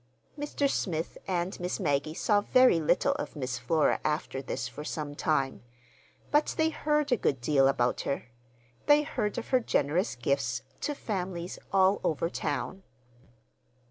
Mr. Smith and Miss Maggie saw very little of Miss Flora after this for some time. But they heard a good deal about her. They heard of her generous gifts to families all over town.